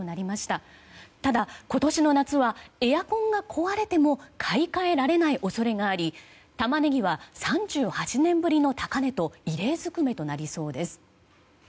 ただ、今年の夏はエアコンが壊れても買い換えられない恐れがありタマネギは３８年ぶりの高値と異例尽くめとなりそうです。